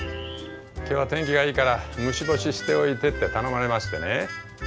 今日は天気がいいから虫干しておいてって頼まれましてね。